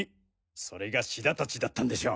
それが志田たちだったんでしょう。